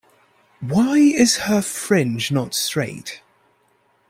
Why is her fringe not straight?